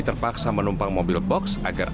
terpaksa menumpang mobil box agar